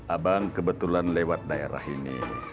abang kebetulan lewat daerah ini